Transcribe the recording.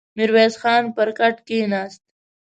ميرويس خان پر کټ کېناست.